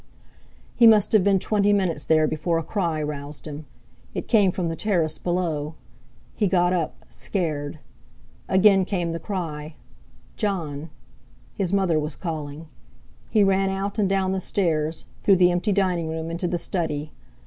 He must have been twenty minutes there before a cry roused him. It came from the terrace below. He got up, scared. Again came the cry: "Jon!" His mother was calling! He ran out and down the stairs, through the empty dining room into the study.